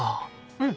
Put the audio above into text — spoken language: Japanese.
うん！